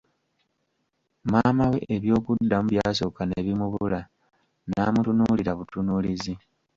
Maamawe eby'okuddamu byasooka ne bimubula, n'amutunuulira butunuulizi.